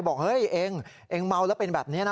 บอกเฮ้ยเองเองเมาแล้วเป็นแบบนี้นะ